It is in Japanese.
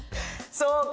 そうか。